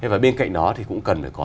và bên cạnh đó cũng cần phải có